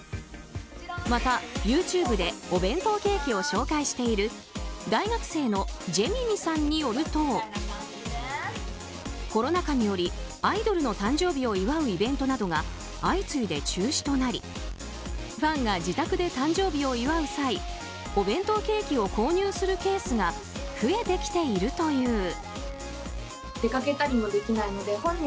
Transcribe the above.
また、ＹｏｕＴｕｂｅでお弁当ケーキを紹介している大学生のじぇみみさんによるとコロナ禍により、アイドルの誕生日を祝うイベントなどが相次いで中止となりファンが自宅で誕生日を祝う際お弁当ケーキを購入するケースが増えてきているという。